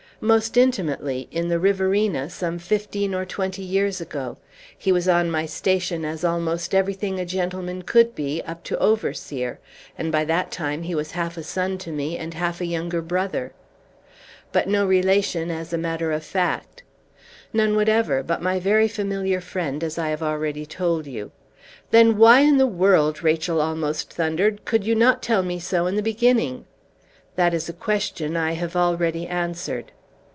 "Most intimately, in the Riverina, some fifteen or twenty years ago; he was on my station as almost everything a gentleman could be, up to overseer; and by that time he was half a son to me, and half a younger brother." "But no relation, as a matter of fact?" "None whatever, but my very familiar friend, as I have already told you." "Then why in the world," Rachel almost thundered, "could you not tell me so in the beginning?" "That is a question I have already answered."